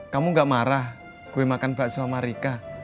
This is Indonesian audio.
kamu nggak marah gue makan bakso sama rika